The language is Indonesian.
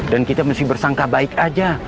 dan kita mesti bersangka baik aja